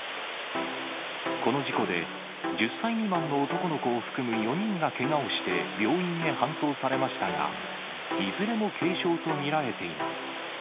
この事故で、１０歳未満の男の子を含む４人がけがをして病院へ搬送されましたが、いずれも軽傷と見られています。